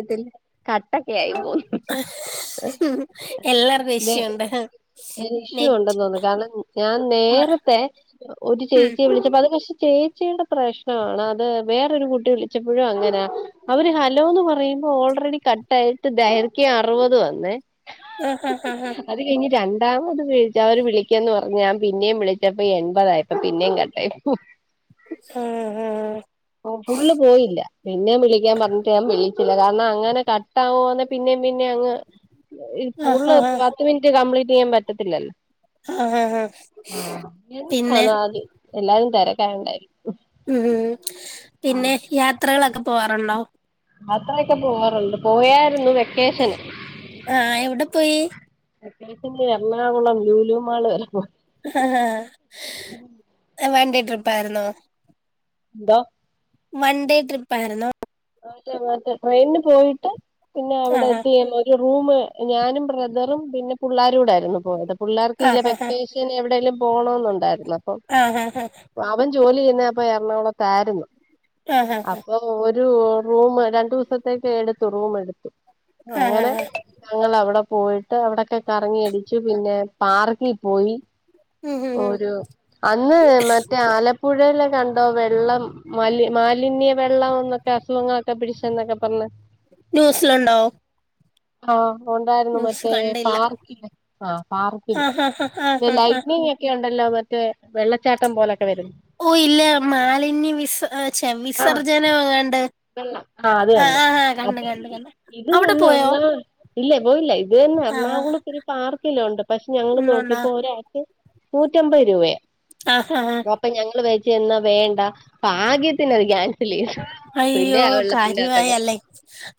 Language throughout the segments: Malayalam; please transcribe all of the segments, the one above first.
ഇതില് കാട്ടക്ക് ആയി പോന്നു ഉം എല്ലാർക്കും വിഷയുണ്ട് ഇഷു നെ ഉണ്ടെന്നോന്നു കാരണം ഞാൻ മ നേരത്തെ ഒരു ഉം ചേച്ചിയെ വിളിച്ചപ്പോ അത് പക്ഷേ ചേച്ചിയുടെ പ്രശ്നമാണ് അത് വേറരു കുട്ടി വിളിച്ചപ്പോഴും അങ്ങനാ അവര് ഹലോന്ന് പറയുമ്പോ ഓൾറെഡി കട്ടായിട്ട് ദൈർഘ്യ അറുപത് വന്നേ ഹ- ഹ -ഉ ഉ അത് കഴിഞ്ഞ് രണ്ടാമത് വിച്ച അവര് വിളിക്കന്ന് പറഞ്ഞ് ഞാൻ പിന്നെയും വിളിച്ചപ്പ എൺപതായിപ്പ പിന്നെയും കട്ട ആഹ ആഹ ഓ ഫുള്ള് പോയില്ല പിന്നെ വിളിക്കാൻ പറഞ്ഞിട്ട് ഞാൻ വിളിച്ചില്ല കാരണം അങ്ങനെ കട്ടാവോന്ന പിന്നേം പിനേം അങ്ങ് ഈ ഫുള്ള് ആഹ് പത്ത് മിനിറ്റ് കംപ്ലീറ്റ് ചെയ്യാൻ പറ്റത്തില്ലല്ലോ ആഹ് ആഹ് പിന്നെ [unintelligible] ഉം പിന്നെ യാത്രകളൊക്കെ പോവാറുണ്ടോ അത്രയൊക്കെ പോവാറുണ്ട് പോയായിരുന്നു വെക്കേഷന് ആഹ് എവിടെ പോയി അദേത്തിന്റെ എറണാകുളം ലൂലു മാള് [unintelligible] വൻടെ ട്രിപ്പയിരുന്നോ ന്തോ വൺഡേ ട്രിപ്പായിരുന്നോ [unintelligible] മാത്ര ട്രെയിനി പോയിട്ട് പിന്നെ അവിടെ ആഹ് എത്തിയ ഈ റൂം ഞാനും ബ്രദറും പിന്നെ പിള്ളേരും കൂടൊയിരുന്നു പോയത് പിള്ളേർക്ക്ലെ ആഹ് ആഹ് വെക്കഷ എവിടെേങ്കലും പോണന്നുണ്ടായിരുന്നു അപ്പൊ ആഹ് ആഹ് അവൻ ജോലി ചെയ്യുന്ന അപ്പ എറണാകുളത്തായിരുന്നു ആ ഹ ഹ അപ്പൊ ഒരു റൂ രണ്ട ദിവസത്തേക്ക് എടുത്തു റൂമ എടുത്തു ആഹ് അങ്ങനെ ആഹ് ഞങ്ങൾ അവിടെ പോയിട്ട് അവിടെൊക്കെ കറങ്ങി അടിച്ചു പിന്നെ പാർക്കിൽ പോയി ഉം ഉം ഉം ഒരു അന്ന് മറ്റേ ആലപ്പ പുഴൽ കണ്ടോ വെള്ളം മാലിന്യ വെള്ളം എന്നൊക്കെ അസുഖങ്ങളൊക്കെ പിടിച്ചന്നൊക്കെ പറഞ്ഞ ന്യൂസിലുണ്ടോ ആഹ ഉണ്ടായിരുന്നു ന്യൂസ് മറ്റേ കണ്ടില്ല പാർക്കില് ആ പാർക്കില് [unintelligible] [unintelligible] ഒക്കെ ഉണ്ടല്ലോ മറ്റേ വെള്ളച്ചാട്ടം പോലൊക്കെ വരും ഓ ഇല്ല മാലിന്യ വിസെ വിസർജ്ജന വങ്ങാണ്ട് വെള്ള ആ അതെ അതെ അപ്പൊ കണ്ട് കണ്ട് ഇത് അവിടെ തന്നെ പോയോ [unintelligible] ഇല്ല പോയില്ല ഇത് തന്നെ ആ എറണാകുളത്ത് ഒരു പാർക്കിലുണ്ട് പക്ഷെ ഞങ്ങള്ൾ ഉണ്ടോണ്ടാ നോക്കിപ്പോ ഒരാൾക്ക് നൂറ്റമ്പത് രൂപയ ആഹ് ഹാ ഹാ അപ്പൊ ഞങ്ങള് വെയിട്ടൊന്നും വേണ്ട ഭാഗ്യതിന് [unintelligible] പിന്നെ അയ്യോ വെള്ളത്തിന് കാര്യമായി [unintelligible] അല്ലേ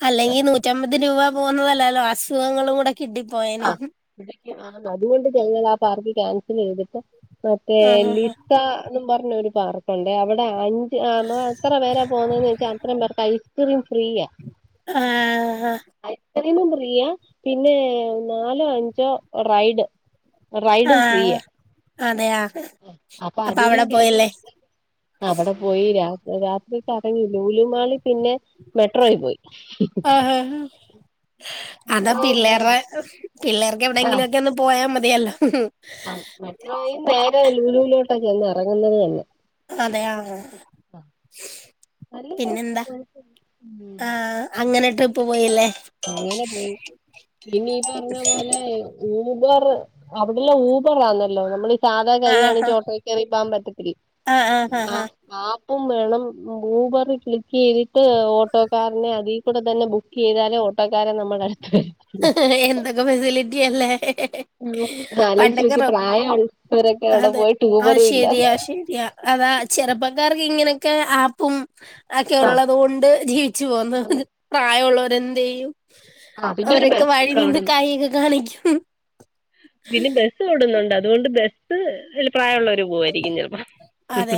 അല്ലെങ്കി നൂറ്റമ്പത് രൂപ പോവുന്നതല്ലല്ലോ അസുഖങ്ങളും കൂടെ കിട്ടിപ്പോയേനെ അതുകൊണ്ട് ഞങ്ങൾ ആ പാർക്ക് ക്യാൻസൽ ചെയ്തിട്ട് മറ്റേ ആ ല എ [unintelligible] ന്നും പറഞ്ഞ ഒരു പാറ എന്റെ അവടെ അഞ്ച് ആ അത്ര പേരാ പോവുന്നന്ന് വെച്ചാൽ അത്രം പേർക്ക് ഐസ്ക്രീം ഫ്രീയാ ആ-അഹ് ഐസ്ക്രീമും ഫ്രീയാ പിന്നെ നാലോ അഞ്ചോ റൈഡ് ആ ആ റൈഡും ഫ്രീയ അതെയാ അപ്പൊ അതിലും അവിടെ കേറി പോയല്ലേ അവിടെ പോയി രാത്രിക്ക് രാത്രി കറങ്ങ ലൂലുമാളി പിന്നെ മെട്രോയി പോയി ആ അതാ പിള്ളേര്ടെ പിള്ളേർക്ക് എവിടെങ്കിലും ഒക്കെ ഒന്ന് പോയാ മതിയല്ലോ മെട്രോയും നേരെ ലൂലൂലോട്ട ചെന്ന് ഇറങ്ങുന്നത് തന്നെ അതെയ ആ നല്ല പിന്നെന്താ രസം. ആഹ് അങ്ങനെ ട്രിപ്പ് പോയില്ലേ അങ്ങനെ പോയി ഇന്നീ പറഞ്ഞ പോലെ ഊബർ അവിടെല്ല ഊബറാന്നല്ലോ നമ്മൾ സാധാ ആ ആ കൈയണിച്ച ഓട്ടോ കേറി പോവാൻ പറ്റത്തില്ല ആ ആ ആ ആ. ആപ്പും വേണം ഊബർ ക്ലിക്ക് ചെയ്തിട്ട് ഓട്ടോക്കാരനെ അതി കൂടെ തന്നെ ബുക്ക് ചെയ്താലെ ഓട്ടോക്കാരൻ നമ്മടെ അടുത്ത് വരു എന്തൊക്കെ ഫെസിലിറ്റി അല്ലേ ഒന്ന് ആലോചിച്ച് പണ്ടക്ക നോക്കിയേ പ്രായമുള്ളവരൊക്കെ അവിടെ അതെ പോയിട്ട് ആഹ് ഊബറും ഇല്ല ശരിയാ ശരിയാ അതാ ചെറുപ്പക്കാർക്ക് ഇങ്ങനെയൊക്കെ ആപ്പും ഒക്കെ ആ ഉള്ളത് കൊണ്ട് ജീവിച്ചു പോന്ന് പ്രായമുള്ളവരെന്ത് ചെയ്യും ആ പിന്നെ ഒരു അവരൊക്കെ ബസ് വഴി കൂടെ നിന്ന് ഓടുന്നു കായൊക്കെ കാണിക്കും പിന്നെ ബസ്സ് ഓടുന്നുണ്ട് അതുകൊണ്ട് ബസ്സ്ല് പ്രായ ള്ളെ അതെ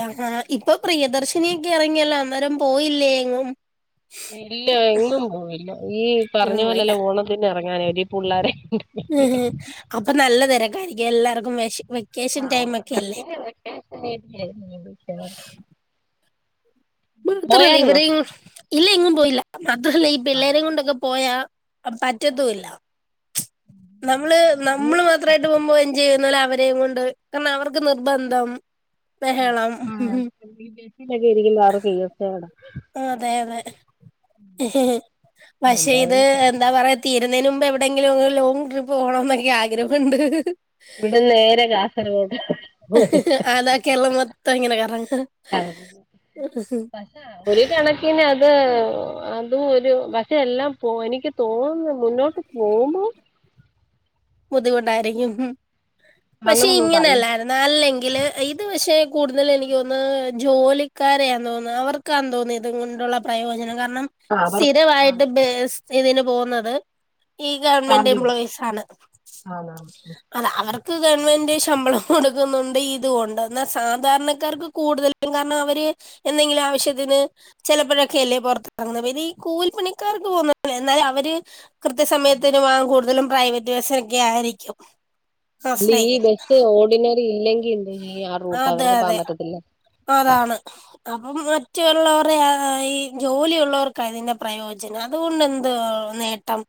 ഇപ്പൊ പ്രിയദർശിനിയൊക്കെ ഇറങ്ങിയല്ലോ അന്നേരം പോയില്ലേ എങ്ങും ഇല്ല എങ്ങും പോല്ല ഈ ഞാൻ പറഞ്ഞ പോയില്ല. പോലെല്ല ഓണത്തിന്ന ഇറങ്ങാനേ ഒരു പുള്ളോരെങ്ങോണ്ട് ഉം അപ്പൊ നല്ല തിരക്കായിരിക്കും എല്ലാവർക്കും വിശ വെക്കേഷന് ആഹ് ടൈമക്കെ അല്ലേ ഓണത്തിന് വെക്കേഷൻ മാത്രല്ലേ പോയാരുന്നോ ഇവരേ ഇല്ല എങ്ങും പോയില്ല മാത്രല്ലേ ഈ പിള്ളേരെ കൊണ്ടൊക്കെ പോയാ പറ്റത്തൂല്ല നമ്മള് നമ്മള് മാത്രമായിട്ട് പോകുമ്പോ എൻജോ ചെയ്യുന്ന പോലെ അവരെയും കൊണ്ട് കാരണം അവർക്ക് നിർബന്ധം ബഹളം ആഹ് ഇരിക്കല്ലാരും അതെ അതെ [unintelligible] പക്ഷെ ഇത് പോ എന്താ പറയാ തീരുന്നതിന് മുമ്പ് എവിടെയെങ്കിലും ലോങ് ട്രിപ്പ് പോകണം പോണന്നൊക്കെ ആഗ്രഹമുണ്ട് ഇവിട ന്ന് നേരെ കാസർഗോഡ് പോയി അതാ കേരളം മൊത്തം ഇങ്ങനെ കറ ങ്ങ പക്ഷേ ഒരു കണക്കിന് പിന്നെ അത് അതും ഒരു വശയെല്ലാം പോ എനിക്ക് തോന്നുന്നു മുന്നോട്ട് പോകുമ്പോ ബുദ്ധിമുട്ടായിരിക്കും പക്ഷെ കാരണം പൈ ഇങ്ങനെയല്ലായി നല്ലെങ്കില് ഇത് പക്ഷെ കൂടുതൽ എനിക്ക് തോന്നുന്നു ജോലിക്കാരെയയെന്ന് തോന്നുന്നത് അവർ വക്കാൻ തോന്നിയത കൊണ്ടുള്ള പ്രയോജനം കാരണം ആഹ് അവർക്കാ ആണ് സ്ഥിരമായിട്ട് ബസ് ഇതിന് പോകുന്നത് ഈ ഗവൺമെന്റ് എംപ്ലോയീസ് ആണ് ആണോ അല്ല അവർക്ക് ഗവൺമെന്റ് ശമ്പളം കൊടുക്കുന്നുണ്ട് ഇതും ഉണ്ട്. എന്നാൽ സാധാരണക്കാർക്ക് കൂടുതൽ- കാരണം അവര് എന്തെങ്കിലും ആവശ്യത്തിന് ചിലപ്പോഴൊക്കെ അല്ലേ പുറത്തിറങ്ങുന്നത്. ഇനി കൂലിപ്പണിക്കാർക്ക് പോകുന്ന എന്നാൽ അവര് കൃത്യ സമയത്തിന് പോവാൻ കൂടുതലും പ്രൈവറ്റ് ബസൊക്കെ ആയിരിക്കും. അല്ല ഈ ആശ്രയിക്കുന്നത് ബസ്സ് ഓർഡിനറി ഇല്ലെങ്കിൽണ്ട് ഈ ആ റൂട്ട് അതെ അവർക്ക് പോകാൻ അതെ പറ്റത്തില്ല. അതാണ്, അപ്പം മറ്റുള്ളവർടെ ഈ ജോലിയുള്ളവർക്കാ ഇതിന്റെ പ്രയോജനം. അതുകൊണ്ട് എന്തുവാ നേട്ടം.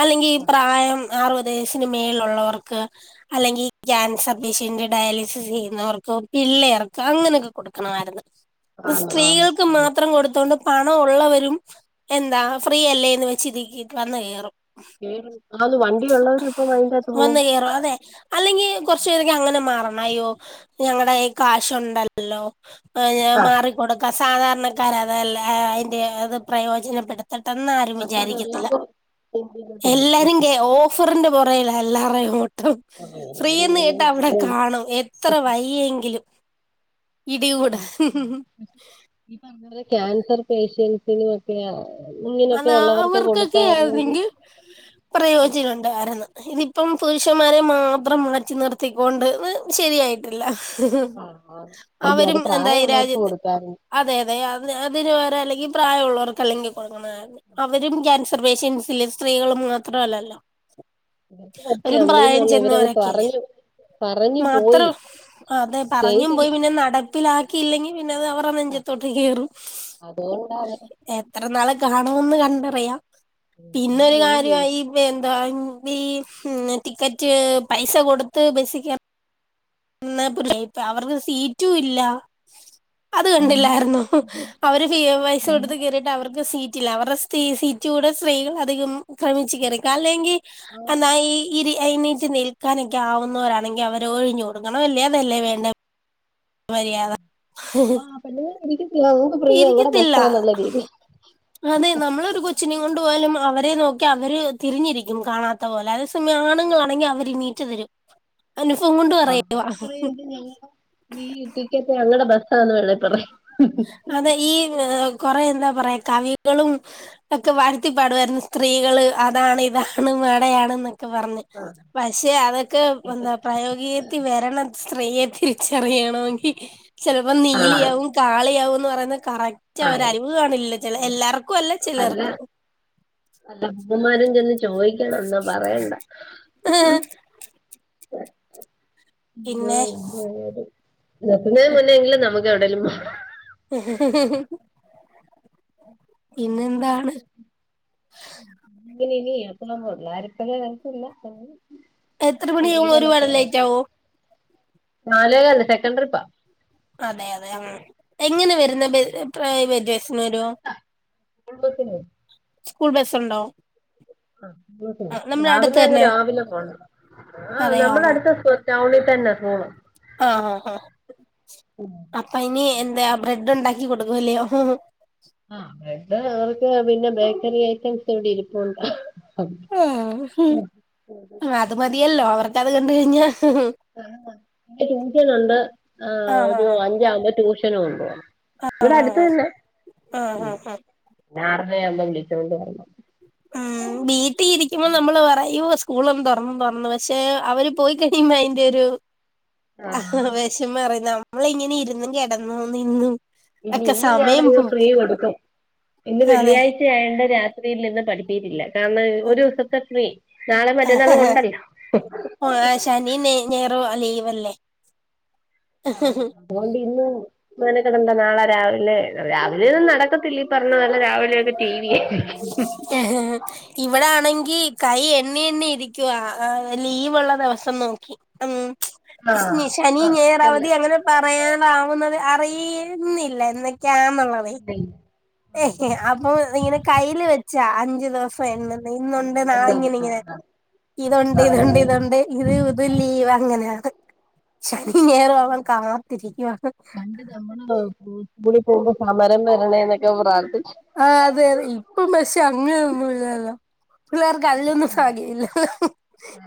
അല്ലെങ്കിൽ പ്രായം അറുപത് വയസിനു മേലിലുള്ളോർക്ക് അല്ലെങ്കി ക്യാൻസർ പേഷ്യന്റ് ഡയാലിസിസ് ചെയ്യുന്നവർക്കോ പിള്ളേർക്ക് അങ്ങനൊക്കെ കൊടുക്കണമായിരുന്നു. ആന്ന് ആന്ന് സ്ത്രീകൾക്ക് മാത്രം കൊടുത്തോണ്ട് പണം ഉള്ളവരും എന്താ ഫ്രീയല്ലേന്ന് വെച്ചിതിക്കി് വന്ന് കയറും. അത് വണ്ടി ഉള്ളവരും. വന്നു കേറാതെ അല്ലെങ്കി കൊറച് പേരൊക്ക അങ്ങനെ മാറണം. അയ്യോ ഞങ്ങളുടെ കയ്യിൽ കാശുണ്ടല്ലോ? ആഹ് ഞാൻ മാറിക്കൊടുക്കാം സാധാരണക്കാര അതല്ല അതിന്റെ അത് പ്രയോജനപ്പെടുത്ത പെട്ടന്ന് ആരും പക്ഷെ അത് വിചാരിക്കത്തില്ല. എല്ലാരും എല്ലരും കേ ഓ- റിന്റെ പുറേല്ല എല്ലും [unintelligible] ഈ ഫ്രീയന്ന് കേട്ട അവിടെ കാണും എത്ര വയ്യെങ്കിലും. ഇടികൂടാ ക്യാൻസർ പേഷ്യൻസിനും ഇങ്ങിനൊക്കെ അതാ ഉള്ളവർക്ക് കൊടുത്താരന്നെങ്കിൽ പ്രയോജനുണ്ടായിരുന്നു ഇതിപ്പം പുരുഷന്മാരെ മാത്രം മാറ്റി നിർത്തിക്കൊണ്ട് ഇത് ശരിയായി- ഇല്ല ആഹ് അയ്യോ അത് അവരും എന്തായി പ്രായമുള്ളവർക്ക് രാജ്യത്ത്- കൊടുക്കായിരുന്നു അതെ അതെ അത് അതിനിവേറെ അല്ലെങ്കിൽ പ്രായമുള്ളവർക്ക് അല്ലെങ്കിൽ കൊ അവരും ക്യാൻസർ പേഷ്യൻസില്ലെ സ്ത്രീകൾ മാത്രല്ലല്ലോ പറ്റി വരും നമ്മളീന്ന് പ്രായം പറഞ്ഞ ഇവരങ്ങ് ചെന്നോരൊക്കെല്ലേ പറഞ്ഞു പറഞ്ഞു പോയി മാത്രം അതെ പറഞ്ഞും ചെയ്തില്ല പോയി പിന്നെ നട- ആക്കിയില്ലെങ്കിൽ പിന്നത് അവരെ നെഞ്ചത്തോട്ട് കേറും എത്ര നാള് - കാണോന്ന് കണ്ടറിയാം പിന്നെ ഒരു അതിന് ഈ കാര്യമായി എന്താ ഈ ടിക്കറ്റ് പൈസ കൊടുത്ത് ബസിക്ക എന്നാപ്പരു ഇപ്പ അവർക്ക് സീറ്റും ഇല്ല അത് ആഹ് കണ്ടില്ലായിരുന്നോ അവര് പൈസ കൊടുത്ത് കേറിട്ട് അവർക്ക് സീറ്റില്ല അവരുടെ- സിറ്റ് കൂടെ സ്ത്രീകൾ അധികം അക്രമിച്ച് കേറീക്കുക അല്ലെങ്കിൽ ഈ എഴുന്നീറ്റ് നിൽക്കാനൊക്കെ ആവുന്നവരാണെങ്കിൽ അവര് ഒഴിഞ്ഞ് കൊടുക്കണം അല്ലേ അതല്ലേ വേണ്ടേ മര്യാദ പിന്ന [unintelligible] ഫ്രീയ അങ്ങടെ ബസ് ഇരിക്കത്തില്ല എന്നുള നല്ല രീതിയ അതെ നമ്മളൊരു കൊച്ചിനെ കൊണ്ട് പോയാലും അവരെ നോക്കി അവര് തിരിഞ്ഞിരിക്കും കാണാത്ത പോലെ അത് പിന്നെ ആണുങ്ങളാണെങ്കിൽ അവര് എണീറ്റ് തരും അനുഫവം കൊണ്ട് പറയുകാ [unintelligible] ഈ ടിക്കറ്റ് അങ്ങടെ ബസ്സാണ് വേണേ പറ അതെ ഈ കൊറെ എന്താ പറയാ കവികളും ഒക്കെ വാഴ്ത്തിപ്പാടുമായിരുന്നു, സ്ത്രീകള് അതാണ് ഇതാണ് വടെയാണ് എന്നൊക്കെ പറഞ്ഞ് പക്ഷേ അതൊക്കെന്താ. പ്രായോഗികത്തി വരണം സ്ത്രീയെ തിരിച്ചറിയണമെങ്കിൽ ചിലപ്പോ ആഹ് നീലിയാകും കാളിയാവൂന്ന് പറയുന്നത് കറക്റ്റ ആഹ് ഒരലിവ് കാണില്ല ചില എല്ലാവർക്കും അല്ല ചിലർക്ക്. വല്ല അമ്മമാരും ചെന്ന് ചോദിക്കണം എന്നാ പറയണ്ട. [unintelligible] പിന്നെ നിക്കുന്നന് മുന്നേങ്കിലും നമുക്ക് എവിടെലും മാറാ [unintelligible] പിന്നെന്താണ് [inaudible] [unintelligible] എത്ര മണിയാവും ഒരുപാട് ലൈറ്റാവോ നാലേകാൽ സെക്കൻ്റ് ട്രിപ്പാ അതെ അതെ ആഹ് എങ്ങനെ വരുന്നെ പ്രൈവറ്റ് ബസിൻ വര്യോ സ്കൂൾ ബസിന് വരും സ്കൂൾ ബസ്സുണ്ടോ ആ നമ്മുടെ അടുത്ത് രാവിലെ അങ്ങെ തന്നെ രാവിലെ പോണം ആഹ് അതെയോ നമ്മുടെ അടുത്ത ടൗണിൽ തന്നെ സ്കൂൾ ആഹ് ആഹ് ആഹ് അപ്പ ഇനി എന്താ ബ്രെഡ്ണ്ടാക്കി കൊടുക്കുംല്ലയോ ആഹ് ബ്രഡ് ഏറി പോയാ പിന്നെ ബേക്കറി ഐറ്റംസ് ഇവിടെ ഇരിപ്പുണ്ട് അത് മതിയല്ലോ അവർക്കത് കണ്ട് കഴിഞ്ഞാ ട്യൂഷനുണ്ട് ആഹ് ഒരു അഞ്ചാവുമ്പം ട്യൂഷനും കൊണ്ട് പോണം ആഹ് ഇവിടെ അടുത്ത് തന്നെ ആഹ് ആഹ് ആഹ് നേര്ത്തെ ആവുമ്പോ വിളിച്ചോണ്ട് പറ ഉം വീട്ടീ ഇരിക്കുംമ്പം നമ്മൾ പറയും സ്കൂളെന്ന് തൊർന്ന് തൊർന്ന് പക്ഷെ അവര് പോയി കഴിയുമ്പോ അയിന്റെരു ആഹ് വിശമം അറിയുന്ന നമ്മള് ഇങ്ങനെ ഇരുന്നും കിടന്നും നിന്നും പിന്നെ ഒക്കെ ഇന്ന് സമയം ഞാനങ്ങ് പോ ഫ്രീ കൊടുക്കും ഇന്ന് അതെ വെള്ളിയാഴ് ആയോണ്ട് രാത്രിയിൽ ഇന്ന് പഠിപ്പീരില്ല കാരണം ഒരു ദിവസത്തെ ഫ്രീ നാളെ മറ്റുന്നാളും ഉണ്ടല്ലോ ഓയ ശനി ഞായറു ലീവല്ലേ ആഹ് പോവണ്ടീന്ന് മെനക്കെടണ്ട നാളെ രാവിലെ രാവിലെ ഒന്നും നടക്കത്തില്ല ഇപ്പറഞ്ഞോലെ രാവിലെയൊക്കെ ടി വി ഏഹ് ഇവിടാണെങ്കി കൈ എണ്ണി എണ്ണി ഇരിക്കുവാ ലീവുള്ള ദിവസം നോക്കി ഉം ആഹ് ശനി ഞായര്‍ അല്ല ഇല്ല അവധി അങ്ങനെ പറയാനാവുന്നത് അറിയിന്നില്ല എന്നൊക്കെയാന്നുള്ളത് ഇല്ല ഇല്ല അപ്പൊ ഇങ്ങനെ കയ്യിൽ വെച്ചാ അഞ്ചു ദിവസം ഇന്നുണ്ട് നാളിങ്ങിനിങ്ങനെ ഇതൊണ്ട് ഇതൊണ്ട് ഇതൊണ്ട് ഇത് ലീവ് അങ്ങനെയാ ശനിം ഞായറും ആവാൻ കാത്തിരിക്കുവാ [unintelligible] സ്കൂളി പോകുമ്പോ സമരം വരണെ എന്നൊക്കെ പ്രാർത്ഥിച്ചു ആഹ് അതെ അതെ ഇപ്പം പഷെ അങ്ങനെ ഒന്നും ഇല്ലാല്ലോ പിള്ളേർ കല്ലൊന്നും ഭാഗ്യല്ല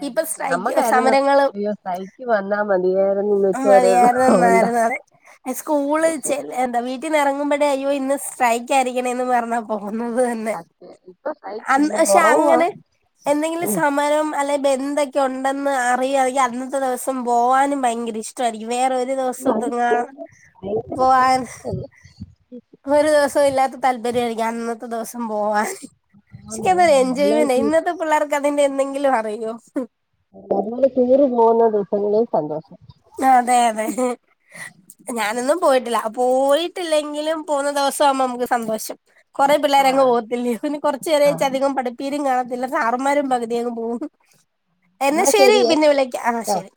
ഇപ്പൊ സ്ട്രൈക്ക് നമ്മക്കായിരുന്നു സമരങ്ങള് അയ്യോ സ്ട്രൈക്ക് വന്നാ മതിയായിരുന്നു ഇന്ന് ഉച്ചവരെള്ളൂ അതോണ്ടാ അതെ സ്കൂള് ചേ എന്താ വീട്ടിന്ന് എറങ്ങുമ്പോഴേ അയ്യോ ഇന്ന് സ്ട്രൈക്ക് ആയിരിക്കണെന്ന് പറഞ്ഞാ പോകുന്നത് തന്നെ സ്ട്രൈക്കില്ല അന്ന് ഷെ കൊറവുവാ അങ്ങനെ എന്തെങ്കിലും സമരം അല്ലെ ബെന്തൊക്കെ ഒണ്ടെന്ന് അറിയോയി അന്നത്തെ ദിവസം പോവാനും ഭയങ്കര വേറൊരു ദിവസംന്തെങ്ങാണം പോവാൻ ഒരു ദിവസം ഇല്ലാത്ത താല്പര്യായിരിക്കും അന്നത്തെ ദിവസം പോവാൻ ശക്കും അത് എൻജോയ്മെന്റ് അല്ലാതെ ഇന്നത്തെ പിള്ളേർക്ക് അതിന്റെ എന്തെങ്കിലും അറിയോ റ്റൂർ പോന്ന ദിവസങ്ങളിൽ സന്തോഷം ആഹ് അതെ അതെ ഞാനൊന്നും പോയിട്ടില്ല പോയിട്ടില്ലെങ്കിലും പോന്ന ദിവസം ആവുമ്പോ നമുക്ക് സന്തോഷം കൊറേ പിള്ളേരങ്ങ് ആഹ് പോകത്തില്ലെയോ പിന്നെ കൊർച്ച് നേരച്ചധികം പഠി പീരും കാണത്തില്ല സാറ്മാരും പകുതിയങ്ങ് പോകും എന്നാ ശരി പിന്നെ വിളിക്ക ആഹ് ശരി